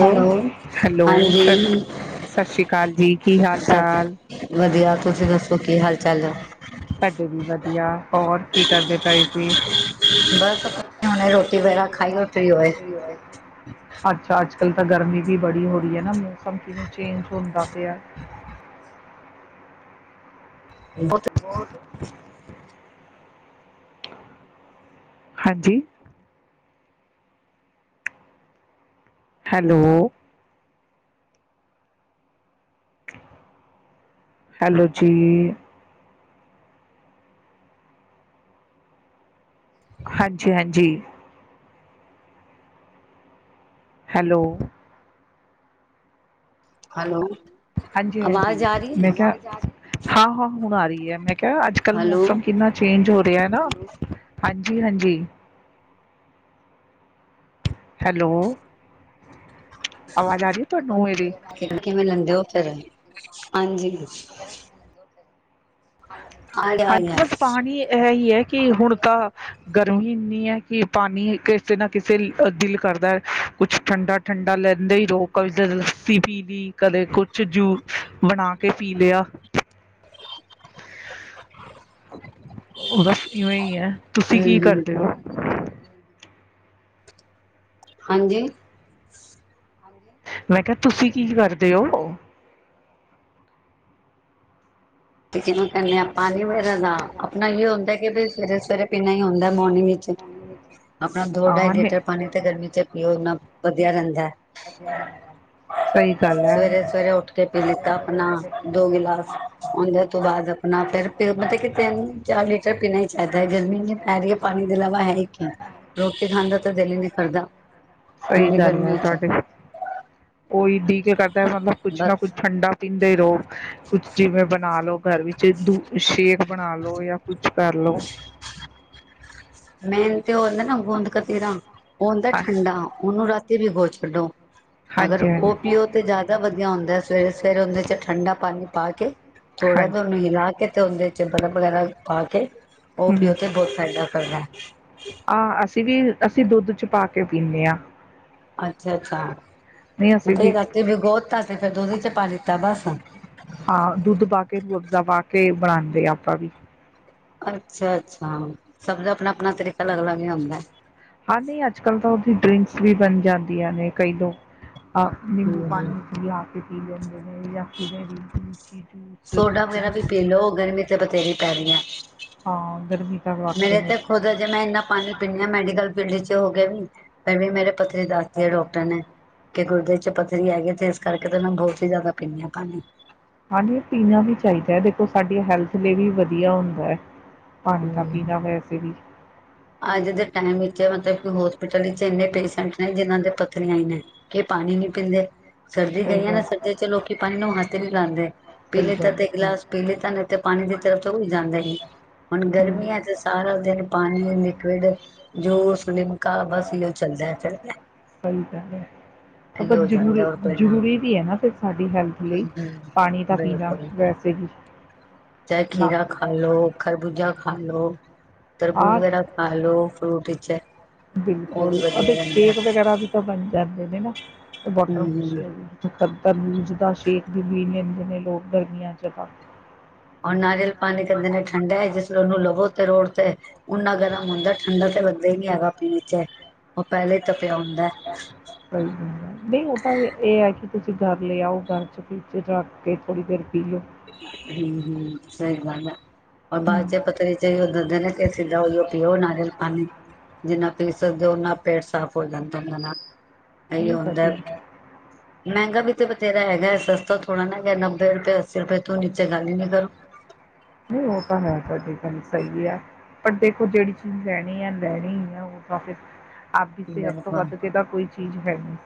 Hello ਸਤਿ, ਹਾਂਜੀ ਸਤਿ ਸ਼੍ਰੀ ਅਕਾਲ ਜੀ, ਕੀ ਹਾਲ ਸਤਿ ਚਾਲ? ਵਧੀਆ ਤੁਸੀਂ ਦੱਸੋ ਕੀ ਹਾਲ ਚਾਲ ਹੈ ਸਾਡੇ ਵੀ ਵਧੀਆ ਹੋਰ। ਕੀ ਕਰਦੇ ਪਏ ਸੀ? ਬਸ ਹੇ ਰੋਟੀ ਵਗੈਰਾ ਖਾਈ ਵਤਰੀ ਹੋਏ ਅੱਛਾ ਅੱਾ ਅੱਜ ਕੱਲ੍ਹ ਤਾਂ ਗਰਮੀ ਵੀ ਬੜੀ ਹੋ ਰਹੀ ਹੈ ਨਾ ਮੌ ਸਮ ਕਿਵੇਂ ਚੇਂਜ ਹੁੰਦਾ ਪਿਆ। [inaudible] ਬਤ [unintelligible] [unintelligible] ਹਾਂਜੀ ਹੈਲੋ। ਹੈਲੋ ਜੀ ਹਾਂਜੀ, ਹਾਂਜੀ। ਹੈਲੋ। ਹੈਲੋ ਹਾਂਜੀ ਹਾਂਜੀ ਆਵਾਜ਼ ਆ ਰਹੀ ਮੈਂ ਹੈ ਕਿਹਾ ਹਾਂ, ਹਾਂ ਹੁਣ ਆ ਰਹੀ ਐ ਮੈਂ ਅੱਜ ਕੱਲ ਹੈਲੋ ਮੌਸਮ ਕਿੰਨਾ ਚੇਂਜ ਹੋ ਰਿ ਤੇ ਹੈ ਨਾ ਹਾਂਜੀ ਹਾਂਜੀ ਹੈਲੋ ਆਵਾਜ਼ ਆ ਰਹੀ ਤੁਹਾਨੁ ਮੇਰੀ ਕਿਵੇਂ ਲੈਂਦੇ ਹੋ ਫਿਰ ਹਾਂਜੀ [unintelligible] ਆ ਗਿਆ ਆ ਹਾਂਜੀ ਗਿਆ ਬਸ ਪਾਣੀ ਇਹ ਹੀ ਹੈ ਕਿ ਹੁਣ ਤਾਂ ਗਰਮੀ ਇੰਨੀ ਹੈ ਕਿ ਪਾਣੀ ਕਿਸੇ ਨਾ ਕਿਸੇ ਦਿਲ ਕਰਦਾ ਕੁਛ ਠੰਡਾ ਠੰਡਾ ਲੈਂਦੇ ਹੀ ਰਹੋ, ਕਦੇ ਲੱਸੀ ਪੀ ਲਈ, ਕਦੇ ਕੁਛ ਜੂਸ ਬਣਾ ਕੇ ਪੀ ਲਿਆ। ਔ ਦਸ ਇਵੇਂ ਹੀ ਹੈ ਤੁਸੀਂ ਕੀ ਹਮ ਹਮ ਕਰਦੇ ਹੋ ਹਾਂਜੀ। ਮੈਂ ਕਿਹਾ ਤੁਸੀਂ ਕੀ ਕਰਦੇ ਹੋ? ਤੇ ਕਿ ਕਰਨੇ ਆਪਾਂ ਨ [unintelligible] [inaudible] ਆਪਣਾ ਇਹ ਹੁੰਦਾ ਸਵੇਰੇ ਸਵੇਰੇ ਪੀਨਾ ਹੀ ਹੁੰਦਾ ਮੋਰਨਿੰਗ ਵਿੱਚ ਆਪਣਾ ਦੋ-ਢਾਈ ਹਾਂ ਨੇ ਲੀਟਰ ਪਾਣੀ ਤੇ ਗਰਮੀ ਚ ਪੀਓ ਨਾ। ਵਧੀਆ ਰਹਿੰਦਾ ਹੈ ਵਧੀਆ ਰਹਿੰਦਾ। ਸਹੀ ਗੱਲ ਹੈ ਸਵੇਰੇ ਸਵੇਰੇ ਉੱਠ ਕੇ ਪੀ ਲਿੱਤਾ ਆਪਣਾ ਦੋ ਗਿਲਾਸ ਉਹਦੇ ਤੋ ਬਾਅਦ ਆਪਣਾ ਫਿਰ ਮੈ ਕਿਥੇ ਨਹੀ ਚਾਰ ਲੀਟਰ [unintelligible] ਜ਼ਿਆਦਾ ਗਰਮੀ ਨੀ ਪੈਰੀ ਪਾਣੀ ਦਿਲਾਵਾ ਹੈ ਕਿ? ਰੋਟੀ ਖਾਂਦਾ ਤਾਂ ਦਿਲ ਹੀ ਨੀ ਕਰਦਾ। ਸਹੀ ਇੰਨੀ ਗੱਲ ਹੈ ਗਰਮੀ ਚ ਤੁਹਾਡੇ ਉਹੀ [unintelligible] ਕੁਛ ਨਾ ਕੁੱਛ ਬਸ ਠੰਡਾ ਪੀਂਦੇ ਰਹੋ ਕੁਛ ਜਿਵੇ ਹੈਲੋ ਘਰ ਵਿੱਚ ਓਦੋ ਪੁਛਦੇ ਨੀ ਬਣਾ ਲਓ। ਕੁਛ ਕਰ ਲੋ। ਅਾ [inaudible] ਮੇਨ ਤੇ ਉਹ ਹੁੰਦਾ ਨਾ ਗੂੰਦ ਕਤੇਰਾ ਉਹ ਹੁੰਦਾ ਹਾਂ ਠੰਡਾ ਉਹਨੂੰ ਰਾਤੀ ਭੀਗੋ ਛੱਡੋ ਅਗਰ ਹਾਂਜੀ ਹਾਂਜੀ ਉਹ ਪੀਓ ਤੇ ਜ਼ਿਆਦਾ ਵਧੀਆ ਹੁੰਦਾ ਏ। ਸਵੇਰੇ ਸਵੇਰੇ ਉਹਦੇ ਚ ਠੰਡਾ ਪਾਣੀ ਪਾ ਕੇ ਥੋੜ੍ਹਾ ਜਿਹਾ ਹਾਂਜੀ ਉਹਨੂੰ ਹਿਲਾ ਕੇ ਤੇ ਉਹਦੇ ਚੱਜ ਦਾ ਕੱਪੜਾ ਪਾ ਕੇ ਉਹ ਪੀਓ ਤੇ ਬਹੁਤ ਫਾਇਦਾ ਕਰਦਾ ਆ ਅਸੀਂ ਵੀ ਅਸੀਂ ਦੁੱਧ ਚ ਪਾ ਕੇ ਪੀਂਨੇ ਆ। ਅੱਛਾ ਅੱਛਾ ਵੀ ਰਾਤੀ ਭੀਗੋ ਦਿੱਤਾ ਤੇ ਫਿਰ ਦੁਧ ਵੀਚ ਪਾ ਦੀਤਾ ਬਸ। [inaudible] ਹਾਂ ਦੁੱਧ ਪਾ ਕੇ ਰੁਅਫ਼ਜ਼ਾ ਪਾ ਕੇ ਬਣਾਉਂਦੇ ਆ ਆਪਾਂ ਵੀ। ਅੱਛਾ ਅੱਛਾ ਸਭ ਦਾ ਆਪਣਾ ਆਪਣਾ ਤਰੀਕਾ ਅਲੱਗ ਅਲੱਗ ਹੀ ਹੁੰਦਾ ਏ। ਹਾਂ ਨਹੀਂ ਅੱਜ ਕੱਲ੍ਹ ਤੋ ਡਰਿੰਕਸ ਵੀ ਬਣ ਜਾਂਦੀਆਂ ਨੇ ਕਈ ਲੋਗ ਅ ਨਿੰਬੂ ਹੂੰ। ਪਾਣੀ [unintelligible] ਪੀ ਲੈਦੇ ਮੈਨੂੰ ਲੈ ਕੇ ਜਾਂਦੇ ਨੇ ਜੀ [inaudible] ਸੋਡਾ ਵਗੈਰਾ ਵੀ ਪੀ ਲਓ ਗਰਮੀ ਤੇ ਬਥੇਰੀ ਪੈਰਈ ਏ। ਹਾਂ, ਗਰਮੀ ਤਾਂ ਵਾਕਈ ਮੇਰੇ ਮੇਂ ਤੇ ਖੁਦ ਜੇ ਮੈਂ ਇੰਨਾ ਪਾਣੀ ਪੀਣੀ ਹਾਂ ਮੈ ਤਾ [unintelligible] ਬਿਲਡਿੰਗ ਚ ਹੋ ਗਏ ਵੀ ਦੇ ਏਵੀ ਮੇਰਾ [unintelligible] ਪੱਥਰੀ ਦੱਸਦੀ ਹੈ ਡਾਕਟਰ ਨੇ ਕਿ ਗੁਰਦੇ ਤੇ ਪੱਥਰੀ ਹੈਗੀ ਤੇ ਇਸ ਕਰਕੇ ਤੇ ਮੈ ਬਹੁਤ ਹੀ ਜ਼ਿਆਦਾ ਪੀਂਦੇ ਹਾਂ ਪਾਣੀ। ਹਾਂਜੀ ਪੀਣਾ ਵੀ ਚਾਹੀਦਾ ਹੈ, ਦੇਖੋ ਸਾਡੀੇ ਹੈਲਥ ਲਈ ਵੀ ਵਧੀਆ ਹੁੰਦਾ ਹੈ। ਪਾਣੀ ਤਾਂ ਹੂੰ। ਪੀਣਾ ਵੈਸੇ ਵੀ ਅੱਜ ਦੇ ਟਾਈਮ ਵਿੱਚ ਮਤਲਬ ਕਿ ਹੋਸਪਿਟਲ ਵਿੱਚ ਇੰਨੇ ਪੇਸ਼ੈਂਟ ਨੇ ਜਿਹਨ੍ਹਾਂ ਦੇ ਪੱਥਰੀਆਂ ਹੀ ਨੇ ਕੀ ਪਾਣੀ ਨੀ ਪੀਂਦੇ ਸਰਦੀ ਸਹੀ ਗਈ ਆ ਨਾ ਗੱਲ ਸਰਦੀ ਚ ਲੋਕੀ ਪਾਣੀ ਨੂੰ ਹ ਹੱਥ ਨਹੀਂ ਲਾਂਂਦੇ। ਪੀ ਸਹੀ ਲਤਾ ਗੱਲ ਤੇ ਇਕ ਗਿਲਾਸ ਪੀ ਲੀਤਾ ਨਹੀਂ ਤੇ ਪਾਣੀ ਦੀ ਤਰਫ਼ ਤੇ ਕੋਇ ਜਾਂਦਾ ਨਹੀ। ਹੁਣ ਹਮ ਗਰਮੀਆਂ ਚ ਸਾਰਾ ਦਿਨ ਪਾਣੀ। ਤੇ ਲਿਕਵਿਡ ਜੋ ਸੁਨੇ ਸਹੀ ਗੱਲ ਹੈ, ਇਹ ਪਰ ਹੋ ਜਾਂਦਾ ਜ਼ਰੂਰੀ ਹੋਰ ਕੋਈ ਨਾ ਜ਼ਰੂਰੀ ਵੀ ਹੈ ਨਾ ਫਿਰ ਸਾਡੀ ਹੈਲਥ ਲਈ ਹਮ ਹਮ ਪਾਣੀ ਤਾਂ ਪੀਣਾ ਬਿਲਕੁਲ ਵੈਸੇ ਵੀ ਚਾਹੇ ਨਾ ਖੀਰਾ ਖਾ ਲੋ, ਖਰਬੁਜਾ ਖਾ ਲ ਲੋ ਤਰਬੂਜ ਆ ਵਗੈਰਾ ਖਾ ਲੋ ਫਰੂਟ ਵਿੱਚ ਉਹ ਵੀ ਬਿਲਕੁਲ ਵਧੀਆ ਉਹਦੇ ਰਹਿੰਦਾ ਸ਼ੇਕ ਵਗੈਰਾ ਵੀ ਤਾਂ ਬਣ ਜਾਂਦੇ ਨੇ ਨਾ ਬਹੁਤ ਹਮ ਹਮ ਖੁਸ਼ੀ ਹੈ ਜ ਤੰਬੂਜ ਦਾ ਸੇਕ ਵੀ ਪੀ ਲੈਂਦੇ ਨੇ ਲੋਕ ਗਰਮੀਆਂ ਚ ਤਾ ਓਹ ਨਾਰੀਅਲ ਪਾਣੀ ਕੇਂਦੇ ਨੇ ਠੰਡਾ ਹੈ, ਜਿਸ ਫਿਰ ਉਹਨੂੰ ਲਵੋ ਤੇ ਰੋੜ ਤੇ ਉਨਾ ਗਰਮ ਹੁੰਦਾ ਠੰਡਾ ਤੇ ਬੰਦਾ ਹੀ ਨੀ ਹੈਗਾ। ਦੀ ਚੈੱਕ। ਸਹੀ ਗਲ, ਨਹੀਂ ਉਹ ਤਾਂ ਇਹ ਹੈ ਕਿ ਤੁਸੀਂ ਘਰ ਲ ਆਓ, ਘਰ ਚ ਫਰਿਜ ਚ ਰੱਖ ਕੇ ਥੋੜ੍ਹੀ ਦੇਰ ਪੀ ਲਓ। ਹੂੰ ਹੂੰ ਸਹੀ ਗੱਲ ਹੈ, ਹੋਰ ਬਾਅਦ ਹੂੰ। ਚ ਪਥਰੀ ਚ ਓਹ ਦਸਦੇ ਨੇ ਸਿੱਧਾ ਉ ਪੀਓ ਨਾਰੀਅਲ ਪਾਣੀ। ਜਿੰਨਾ ਪੀ ਸਕਦੇ ਹੋ, ਉਨਾ ਪੇਟ ਸਾਫ਼ ਹੋ ਜਾਂਦਾ ਏਦੇ ਨਾਲ। ਇਹੀ ਨਹੀਂ ਹੁੰਦਾ, ਪਤਾ ਮਹਿੰਗਾ ਵੀ ਮੇਂਗਾ ਬਥੇਰਾ ਹੈਗਾ ਹੈ, ਸਸਤਾ ਥੋੜਣਾ ਨਾ ਹੈਗਾ ਨੱਬੇ ਰੁਪਏ ਸਿਰਫ ਇੱਥੋਂ ਨੀ ਕਰੋ ਨਹੀਂ ਉਹ ਤਾਂ ਹੈ ਤਾਕਿ ਸਹੀ ਹੈ, ਪਰ ਦੇਖੋ ਜਿਹੜੀ ਚੀਜ਼ ਲੈਣੀ ਆ, ਲੈਣੀ ਆ ਉਹ ਤਾ ਫਿਰ ਅਪਣੀ ਸਿਹਤ ਤੋਂ ਵੱਧ ਕੇ ਤਾਂ ਕੋਈ ਚੀਜ਼ ਹੈਗੀ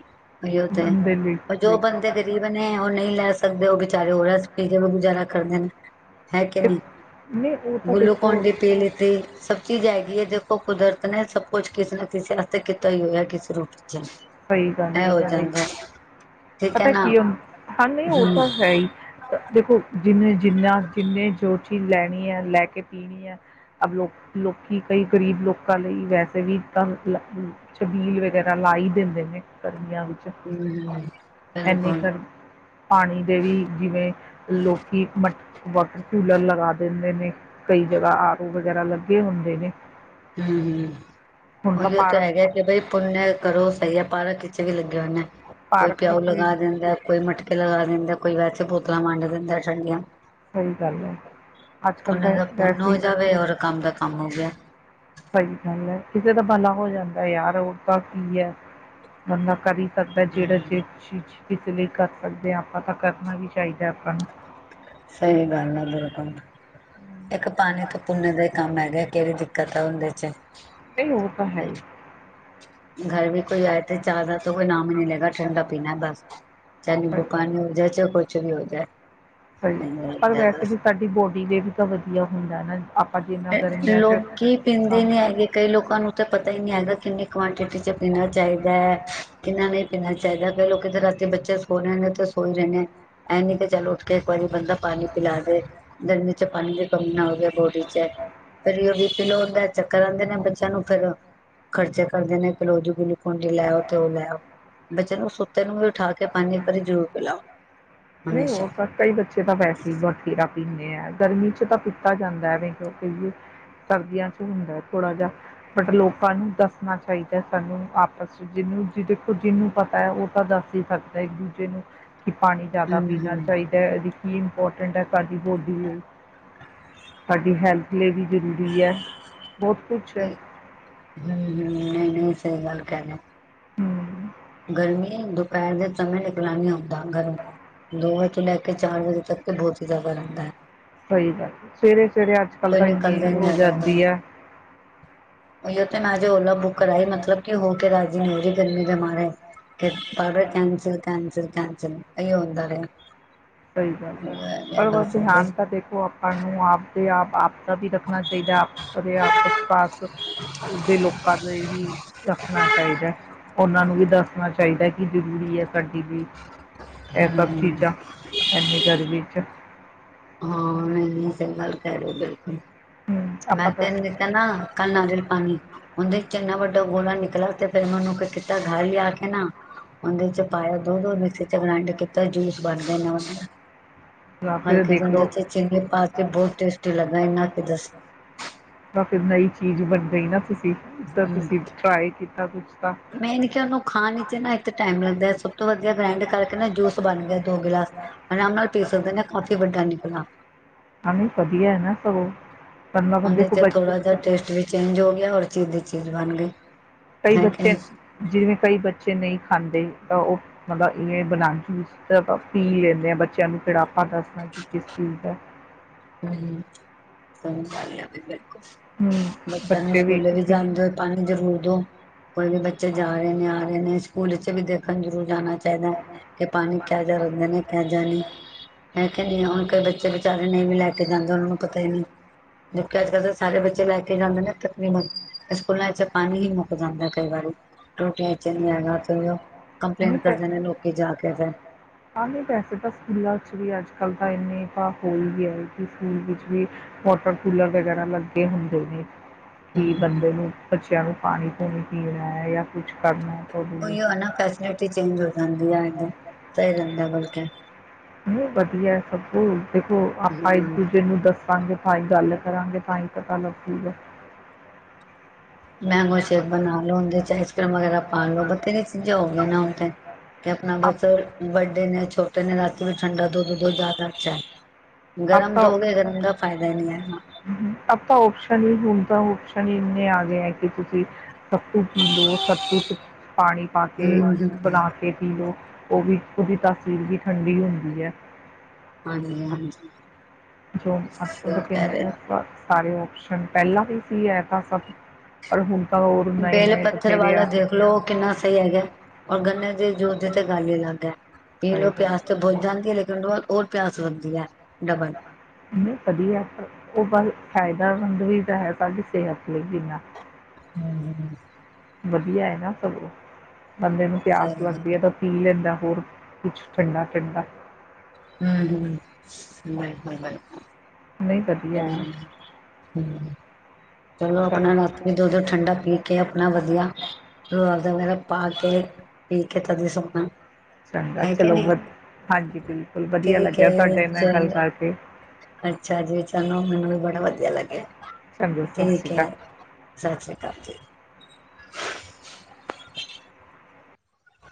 ਤੇਹੀ ਤਾਂ ਜੋ ਬੰਦੇ ਗ਼ਰੀਬ ਨੇ ਉਹ ਨਹੀਂ ਲੈ ਸਕਦੇ ਤੱਦੇ ਓਹ ਵਿਚਾਰੇ ਓ ਆਰ ਐਸ ਪੀ ਕੇ ਗੁਜ਼ਾਰਾ ਕਰਦੇ ਨੇ। ਹੈ ਕੇ ਤੇ ਨੀ, ਨਹੀਂ ਉਹ ਤਾਂ ਗਲੁ ਦੇਖੋ ਕੌਨ ਡੀ ਉਹ ਪੀ ਲੀਤੀ ਸਭ ਚੀਜ਼ਾਂ ਵੀ ਇਹ ਦੇਖੋ ਕੁਦਰਤ ਨੇ ਸਭ ਕੁਛ ਕਿਸੇ ਨਾ ਕਿਸੇ ਵਾਸਤੇ ਕੀਤਾ ਹੀ ਹੋਇਆ ਕਿਸ ਰੂਪ ਚ। ਸਹੀ ਗੱਲ ਇਹ ਹੋ ਹੈ ਜਾਂਦਾ [unintelligible] ਠੀਕ ਹੈ ਪਤਾ ਨਾ ਕੀ ਹੁਨ, ਹਾਂ ਨਹੀਂ ਉਹ ਹਮ ਤਾਂ ਹੈ ਹੀ। ਦੇਖੋ ਜਿਹਨੇ ਜਿੰਨਾ ਜਿੰਨੇ ਜੋ ਚੀਜ਼ ਲੈਣੀ ਐ, ਲੈ ਕੇ ਪੀਣੀ ਐ, ਅ ਲੋਕ, ਲੋਕੀ ਕਈ ਗਰੀਬ ਲੋਕਾਂ ਲਈ ਵੈਸੇ ਵੀ ਤਾਂ ਛਬੀਲ ਵਗੈਰਾ ਲਾ ਹੀ ਦੇਂ [unintelligible] [unintelligible] ਵਿੱਚ, ਹਮ ਐਨੀ ਬਿਲਕੁਲ ਗਰ, ਪਾਣੀ ਦੇ ਵੀ ਜਿਵੇਂ ਲੋਕੀ ਮਟ ਵਾਟਰ ਕੂਲਰ ਲਗਾ ਦੇਂਦੇ ਨੇ ਕਈ ਜਗ੍ਹਾ ਆਰੋ ਵਗੈਰਾ ਲੱਗੇ ਹੁੰਦੇ ਨੇ। ਹੂੰ, ਹੂੰ, ਹੁਣ ਤਾਂ ਓਹੀਓ ਤੇ ਪਾਰਕ ਹੈਗਾ ਕਿ ਬਈ ਪੁਨਏ ਕਰੋ ਸਹੀ ਹੈ ਪਾਰ ਚ ਵੀ ਲੱਗਿਆ ਹੋਨਾ ਐ। ਕੋਈ ਪਾਰਕ ਪਿਆਓ ਵਿੱਚ ਵੀ ਲਗਾ ਦੇਂਦਾ ਐ, ਕੋਈ ਮਟਕੇ ਲਗਾ ਦੇਂਦਾ ਐ ਕੋਈ ਵੈਸੇ ਸਹੀ [unintelligible] ਗੱਲ ਹੈ ਅੱਜ ਕੱਲ ਉਹਨ ਤਾਂ ਦਾ ਪੁੁੰਨ ਵੈਸੇ ਹੋ ਹੀ ਜਾਵੇ ਔਰ ਕੰਮ ਦਾ ਕੰਮ ਹੋ ਗਿਆ। ਸਹੀ ਗੱਲ ਹੈ ਕਿਸੇ ਦਾ ਭਲਾ ਹੋ ਜਾਂਦਾ ਯਾਰ ਰ ਤਾਂ ਕੀ ਹੈ ਬੰਦਾ ਕਦੀ ਸਕਦਾ ਜਿਹੜਾ ਜੇ ਚੀਜ਼ ਇਸ ਲਈ ਕਰ ਸਕਦੇ ਹਾਂ ਆਪਾਂ ਤਾਂ ਕਰਨਾ ਵੀ ਚਾਹੀਦਾ ਆਪਾਂ ਨੂੰ। ਸਹੀ ਗਲ ਹੈ [inaudible] ਇੱਕ ਪਾਣੀ ਤੋਂ ਭੁੰਨੇ ਦਾ ਹੀ ਕੰਮ ਹੈਗੇ ਕਿਹੜੀ ਦਿੱਕਤ ਹੈ ਉਹਦੇ ਚ ਬਈ ਔ ਤਾਂ ਹੈ ਹੀ [unintelligible] ਕੁਛ ਵੀ ਹੋ ਜਾਏ। ਸਹੀ, ਮੈਨੂੰ ਪਰ ਲੱਗਦਾ ਵੈਸੇ ਬਸ ਵੀ ਸਾਡੀ ਬੋਡੀ ਤੇ ਵੀ ਤਾਂ ਵਧੀਆ ਹੁੰਦਾ ਨਾ। ਜਿੰਨਾ ਗਰਮੀਆਂ 'ਚ ਲੋਕੀ ਹਾਂ। ਪੀਂਦੇ ਨੀ ਹੈਗੇ ਕਈ ਲੋਕਾਂ ਨੂੰ ਤਾਂ ਪਤਾ ਹੀ ਨਹੀਂ ਹੈਗਾ ਕਿੰਨੇ ਕੁਆਂਟਿਟੀ ਚ ਪੀਣਾ ਚਾਹੀਦਾ, ਕਿੰਨਾ ਨਹੀਂ ਪੀਣਾ ਚਾਹੀਦਾ ਕਈ ਲੋਕੀ ਤਾਂ ਰਾਤੀ ਬੱਚੇ ਸੋ ਰਹੇਦੇ ਤੇ ਸੋ ਹੀ ਰਹੇਦੇ ਇਹ ਨੀ ਕਿ ਚੱਲ ਉੱਠ ਕੇ ਇੱਕ ਵਾਰੀ ਬੰਦਾ ਪਾਣੀ ਪਿਲਾ ਦੇ ਗਰਮੀ ਚ ਪਾਣੀ ਦੀ ਕਮੀ ਨਾ ਹੋਵੇ ਬੋਡੀ ਚ। [unintelligible] ਫਿਰ ਜਦੋਂ ਬੀ ਪੀ ਲੋ ਹੁੰਦਾ ਚੱਕਰ ਆਂਦੇ ਨੇ ਬੱਚਿਆਂ ਨੂੰ ਫਿਰ ਖਰਚੇ ਕਰਦੇ ਨੇ ਕਿ ਲਓ ਜੀ ਗਲੂਕੋਨ ਡੀ ਲੈ ਆਓ ਤੇ ਉਹ ਲੈ ਆਓ, ਬੱਚੇ ਨੂੰ ਸੁੱਤੇ ਨੂੰ ਵੀ ਉਠਾ ਕੇ ਪਾਣੀ ਇੱਕ ਵਾਰੀ ਜ਼ਰੂਰ ਪਿਲਾਓ। ਨਹੀਂ ਹਮੇਸ਼ਾ ਹੋ ਸਕਦਾ ਈ ਬੱਚੇ ਤਾਂ ਵੈਸੇ ਹੀ ਬਥੇਰਾ ਪੀਂਨੇ ਆ ਗਰਮੀ ਚ ਤਾਂ ਕੀਤਾ ਜਾਂਦਾ ਹੈ ਕਿਉਕ ਸਰਦੀਆਂ ਚ ਹੁੰਦਾ ਥੋੜਾ ਜਿ ਬਟ ਲੋਕਾਂ ਨੂੰ ਦੱਸਣਾ ਚਾਹੀਦਾ ਸਾਨੂੰ ਆਪਸ ਚ ਜਿਹਨੂੰ ਦੇਖੋ ਜਿਹਨੂੰ ਪਤਾ ਹੈ ਉਹ ਤਾਂ ਦੱਸ ਹੀ ਸਕਦਾ ਇੱਕ ਦੂਜੇ ਨੂੰ ਕਿ ਪਾਣੀ ਜ਼ਿਆਦਾ ਹਮ ਪੀਣਾ ਹਮ ਚਾਹੀਦਾ [unintelligible] ਕੀ ਇੰਪੋਰਟੈਂਟ ਹੈ ਸਾਡੀ ਬੋਡੀ ਲਈ, ਸਾਡੀ ਹੈਲਥ ਲਈ ਵੀ ਜ਼ਰੂਰੀ ਐ, ਬਹੁਤ ਕੁਛ ਐ। ਹਮ ਹਮ ਨਹੀਂ [unintelligible] ਹੂ ਗਰਮੀ ਦੁਪਹਿਰ ਦੇ ਸਮੇਂ ਨਿਕਲਣ ਨਹੀਂ ਹੋਦਾ। ਦੋ ਤੇ ਚਾਰ ਵਜੇ ਦੇ ਵਿੱਚ ਬਹੁਤ ਹੀ ਜਾਦਾ ਰਹਿੰਦਾ। ਸਹੀ ਗੱਲ ਸਵੇਰੇ ਜਿਹੜੇ ਅੱਜ ਕੱਲ ਕੋਈ ਤਾਂ ਇੰਨੀ ਨਿਕਲਦਾ ਹੀ ਨਹੀਂ ਹੋ ਹੈਗਾ ਜਾਂਦੀ ਘਰੋਂ ਹੈ। ਤੇ ਮੈਂ ਅਜੇ ਓਲਾ ਬੁੱਕ ਕਰਾਈ ਮਤਲਬ ਕਿ ਹੋ ਕੇ ਰਾਜੀ ਹੋਹੀ ਗਰਮੀ ਮਡ ਇਹੀ ਹੁੰਦਾ ਰਿਹਾ ਬਾਰ-ਬਾਰ ਕੈਂਸਲ ਕੈਂਸਲ ਕੈਂਸਲ ਇਹੀ ਹੁੰਦਾ ਰਿਹਾ। ਸਹੀ ਗੱਲ ਹੈ ਪਰ ਬਸ ਹੂੰ ਧਹਨ ਤਾਂ ਦੇਖੋ ਆਪਾਂ ਨੂੰ ਆਪਦੇ ਆਪ ਆਪ ਦਾ ਵੀ ਰੱਖਣਾ ਚਾਹੀਦਾ ਆਪਦੇ ਆਪਸ ਪਾਸ ਦੇ ਲੋਕਾਂ ਦਾ ਵੀ ਰੱਖਣਾ ਚਾਹੀਦਾ ਉਹਨਾਂ ਨੂੰ ਵੀ ਦੱਸਣਾ ਚਾਹੀਦਾ ਕਿ ਜ਼ਰੂਰੀ ਹੈ ਸਾਡਾ ਟੀ ਵੀ, ਇਹ ਸਭ ਚੀਜ਼ਾਂ ਹਾਂ ਗਰਮੀ ਚ [unintelligible] ਮੈਂ ਹੂੰ ਆਪਾਂ ਤੇ ਦੱਸ ਇਹਨੂੰ ਦਿੱਤਾ ਨਾ? ਕੱਲ੍ਹ ਨਾਰੀਅਲ ਪਾਣੀ। ਉਹਦੇ ਚ ਇੰਨਾ ਵੱਡਾ ਗੋਲਾ ਨਿਕਲਾ, ਤੇ ਫੇਿਰ ਉਹ ਨੂੰ ਕੀਤਾ ਗ ਲਿਆ ਕੇ ਨਾ ਉਹਦੇ ਚ ਪਾਇਆ ਦੁੱਧ ਮਿਕਸੀ ਚ ਗਰਿੰਡ ਕੀਤਾ ਜੂਸ ਬਣ ਗਿਆ ਏਨਾ ਵਦੀਆਂ! ਹਾਂ, ਫਿਰ ਦੇਖ ਲਓ ਦੇ-ਚਾਰ ਚਿੰਗੇ ਪਾ ਕੇ ਬਹੁਤ ਟੇਸਟੀ ਲੱਗਾ! ਇੰਨਾ ਕਿ ਬਸ! ਤਾਂ ਫਿਰ ਨਈ ਚੀਜ਼ ਬਣ ਗਈ। ਨਾ ਤੁ ਤਾਂ ਹੂੰ ਤੁਸੀਂ ਟਰਾਏ ਕੀਤਾ ਕੁਛ ਤਾਂ? ਮੇਨ ਕਿ ਉਹਨੂੰ ਖਾਣ ਵਿੱਚ ਨਾ ਇੱਕ ਟਾਈਮ ਲੱਗਦਾ ਸਭ ਤੋਂ ਵਧੀਆ ਗਰਿੰਡ ਕਰਕੇ ਨਾ ਜੂਸ ਬਣ ਗਿਆ ਦੋ ਗਿਲਾਸ ਆਰਾਮ ਨਾਲ ਪੀ ਸਕਦੇ ਨੇ ਕਾਫੀ ਵੱਡਾ ਨਿਕਲਾ! ਅ ਵਦੀਆਂ ਹੈ, ਨਾ ਸਗੋਂ ਵਰਨਾ ਬੰਦੇ ਉਹਦੇ ਕੋ ਚ ਬੱਚ ਥੋੜਾ ਜਿ ਟੇਸਟ ਵੀ ਚੇਂਜ ਹੋ ਹੋਰ ਚੀਜ਼ ਦੀ ਚੀਜ਼ ਬਣ ਗਈ! ਕਈ ਹੈ ਕਿ ਬੱਚੇ ਨਹੀਂ ਜਿਵੇਂ ਕਈ ਬੱਚੇ ਬੱਚੇ ਨਹੀਂ ਖਾਂਦੇ ਤਾਂ, ਉਹ ਮਤਲਬ ਇਹ ਬਣਾ ਜੂਸ ਪੀ ਲੈਂਦੇ ਆ। ਬੱਚਿਆਂ ਨੂੰ ਫਿਰ ਆਪਾਂ ਦੱਸਦਾ ਕਿ ਕਿਸ ਚੀਜ਼ ਦਾ [unintelligible] ਹੂੰ ਬੱਚਿਆਂ ਨੂੰ ਬੱਚੇ ਸਕੂਲੇ ਵੀ ਇਸੀ ਜਾਂਦੇ ਹੋਏ ਪਾਣੀ ਜ਼ਰੂਰ ਦੋ। ਕੋਈ ਵੀ ਬੱਚੇ ਜਾ ਰਹੇ ਨੇ ਆ ਰਹੇ ਨੇ ਸਕੂਲ ਚ ਵੀ ਦੇਖਣ ਜ਼ਰੂਰ ਜਾਣਾ ਚਾਹੀਦਾ ਕਿ ਪਾਣੀ ਕਿਹੋ ਜਿਹਾ ਰੱਖਦੇ ਨੇ ਕਿਹੋ ਜਾ ਨਹੀਂ ਮੈਂ ਕਹਿਣੀ ਆ ਹੁਣ ਕਈ ਬੱਚੇ ਵਿਚਾਰੇ ਨਹੀਂ ਵੀ ਲੈ ਕੇ ਸਕੂਲਾਂ ਨੂੰ ਪਤਾ ਹੀ ਨਹੀ ਕੇ ਜਾਂਦੇ ਉਹ ਨਾਂ ਜਕਿ ਅੱਜ ਕੱਲ ਤਾਂ ਸਾਰੇ ਬੱਚੇ ਲੈ ਕੇ ਜਾਂਦੇ ਨੇ ਤਕਨੀਬਨ ਸਕੂਲਾਂ ਚ ਪਾਣੀ ਹੀ ਮੁੱਕ ਜਾਂਦਾ ਕਈ ਵਾਰੀ ਟੂਟੀਆਂ ਚ ਨੀ ਹੈਗਾ ਉਹ ਨਹੀਂ ਕੰਪਲੇਟ ਕਰਦੇ ਨੇ ਲੋਕੀ ਜਾ ਕੇ ਫਿਰ ਆ, ਨਹੀਂ। ਵੈਸੇ ਤਾਂ ਸਕੂਲਾਂ ਚ ਵੀ ਅੱਜ ਕੱਲ੍ਹ ਤਾਂ ਇੰਨੇ ਤਾ ਹੋ ਹੀ ਹੈ। ਕਿ ਸਕੂਲ ਵਿੱਚ ਵੀ ਵਾਟਰ ਕੂਲਰ ਵਗੈਰਾ ਲੱਗੇ ਹੁੰਦੇ ਨੇ। ਕੀ ਹੂੰ। ਬੰਦੇ ਨੂੰ, ਬੱਚਿਆਂ ਨੂੰ ਪਾਣੀ ਪੂਣੀ ਪੀਣਾ ਹੈ ਜਾਂ ਕੁਛ ਕਰਨਾ ਹੈ? ਤਾਂ ਉਹਦੇ ਲਈ ਨਾ ਫੈਸਿਲਟੀ ਫੇਸ਼ੀਲਿਟੀ ਚੰਗੀ ਹੋਏ। [unintelligible] ਨਹੀਂ, ਵਧੀਆ ਸਗੋਂ! ਦੇਖੋ, ਆਪਾਂ ਹੂੰ। ਇੱਕ-ਦੂਜੇ ਨੂੰ ਦੱਸਾਂਗੇ। ਤਾਂ ਹੀ ਗੱਲ ਕਰਾਂਗੇ, ਤਾਂ ਹੀ ਪਤਾ ਲੱਗੂਗਾ। ਮੈਂਗੋ ਸ਼ੇਕ ਬਣਾ ਲਓ, ਉਹਦੇ ਚ ਆਈਸਕ੍ਰੀਮ ਵਗੈਰਾ ਪਾ ਲੋ। ਬਥੇਰੀਆਂ ਚੀਜ਼ਾਂ ਹੋ ਗਈਆਂ ਨੇ ਹੁਣ ਤੇ। ਕਿ ਆਪਣਾ ਬਸ-ਵੱਡੇ ਨੇ, ਛੋਟੇ ਨੇ ਰਾਤੀ ਵੀ ਠੰਡਾ ਦੁੱਧ ਦੋ। ਜ਼ਿਆਦਾ ਅੱਛਾ ਹੈ ਗਰਮ ਦੋਗੇ, ਗਰਮ ਦਾ ਫਾਇਦਾ। [unintelligible] ਦੇ ਲਈਏ ਹਾਂ ਆਪ ਤਾਂ ਓਪਸ਼ਨ ਹੀ ਹੁਣ ਤਾਂ ਓਪਸ਼ਨ ਹੀ ਇਤਨੇ ਆ ਗਏ ਹੈ ਕਿ ਤੁਸੀਂ ਸੱਤੂ ਪੀ ਲਓ, ਸੱਤੂ 'ਚ ਪਾਣੀ ਪਾ ਕੇ ਬਣਾ ਕੇ ਪੀ ਲਓ। ਉਹ ਵੀ ਉਹਦੀ ਤਾਸੀਰ ਵੀ ਠੰਡੀ ਹੁੰਦੀ ਐ। ਹਾਂਜੀ -ਹਾਂਜੀ ਜੋਨ ਸਹੀ ਕਹਿ ਅਕਨੇ ਰਹੇ [unintelligible] ਸਾਰੇ ਆਪਸ਼ਨ ਪਹਿਲਾਂ ਵੀ ਸੀ ਇਹ ਤਾਂ ਸਭ ਪਰ ਹੁਣ ਤਾਂ ਹੋਰ ਨਏ ਬੇਲ ਨਏ ਪੱਥਰ ਬਥੇਰੇ ਵਾਲਾ ਆ ਦੇਖਲੋ ਕਿੰਨਾ ਸਹੀ ਹੈਗਾ। ਔਰ ਗੰਨੇ ਦੀ ਜੂਸ ਦੀ ਤੇ ਗਲ ਹੀ ਅਲਗ ਹੈ। ਸਹੀ ਪੀਲੋ ਗੱਲ ਪਿਆਸ ਤੇ ਬੁਝ ਜਾਂਦੀ ਏ। ਮਿਨਟ ਬਾਅਦ ਔਰ ਪਿਆਸ ਵੱਦ੍ਦੀ ਹੈ ਡਬਲ ਇਨੇ ਵਧੀਆ ਪਰ ਉਹ ਬ ਫਾਇਦੇਮੰਦ ਵੀ ਤਾਂ ਹੈ ਸਾਡੀ ਸਿਹਤ ਲਈ ਬਿਨਾ [inaudible] ਵਧੀਆ ਹੈ ਨਾ ਸਗੋਂ ਬੰਦੇ ਨੂੰ ਪਿਆਸ ਸਹੀ ਲੱਗਦੀ ਗੱਲ ਹੈ ਤਾਂ ਪੀ ਲੈਂਦਾ। ਹੋਰ ਕੁਛ ਠੰਡਾ ਠੰਡਾ ਹੂੰ- ਹੂੰ [inaudible] ਨਹੀਂ ਬਿਲਕੁਲ ਵਧੀਆ ਹੈ -ਬਿਲਕੁਲ [inaudible] ਚਲੋ ਆਪਣਾ ਰਾਤ ਵੀ ਦੁ ਦੁਧ ਠੰਡਾ ਪੀ ਕੇ ਆਪਣਾ ਵਧੀਆ ਰੁਹਅਫਜਾ ਵਗੈਰਾ ਪਾ ਕੇ ਪੀ ਕੇ ਅਜੇ ਸਭਨਾ ਚੰਗਾ ਚਲੋ ਵ ਹਾਂਜੀ ਬਿਲਕੁਲ ਵਧੀਆ ਠੀਕ ਲੱਗਿਆ ਹੈ ਤੁਹਾਡੇ ਨਾਲ ਗੱਲ ਚਲੋ ਕਰਕੇ। ਅੱਛਾ ਜੀ ਮੈਨੂੰ [unintelligible] ਵੀ ਬੜਾ ਵਧੀਆ ਲੱਗਿਆ ਚੰਗਾ ਸਤਿ ਠੀਕ ਸ਼੍ਰੀ ਹੈ ਅਕਾਲ । ਸਤਿ ਸ੍ਰੀ ਅਕਾਲ ਜੀ